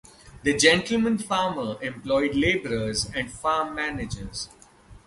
The gentleman farmer employed labourers and farm managers.